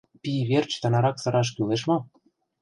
— Пий верч тынарак сыраш кӱлеш мо?